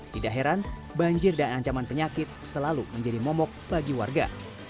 tidak heran banjir dan ancaman penyakit selalu menjadi momok bagi warga